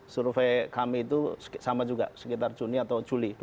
survei kami itu sama juga sekitar juni atau juli dua ribu tujuh belas